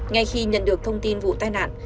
ngay khi nhận được thông tin vụ tai nạn